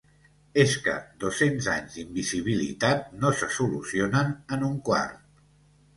És que dos-cents anys d’invisibilitat no se solucionen en un quart.